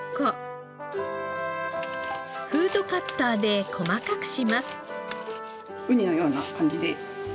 フードカッターで細かくします。